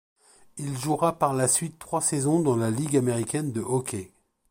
Il jouera par la suite trois saisons dans la Ligue américaine de hockey.